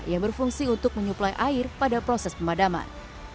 yang berfungsi untuk menyuplai air pada proses pemadaman